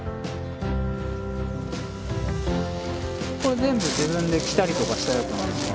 これ全部自分で着たりとかしたやつなんですか？